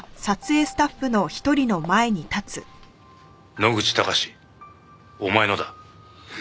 野口高史お前のだ。